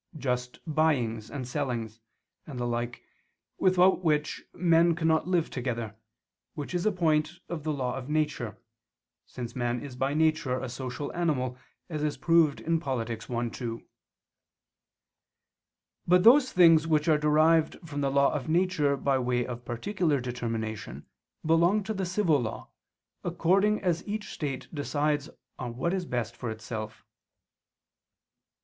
just buyings and sellings, and the like, without which men cannot live together, which is a point of the law of nature, since man is by nature a social animal, as is proved in Polit. i, 2. But those things which are derived from the law of nature by way of particular determination, belong to the civil law, according as each state decides on what is best for itself.